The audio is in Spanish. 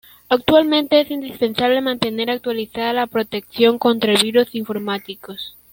Actualmente es indispensable mantener actualizada la protección contra virus informáticos.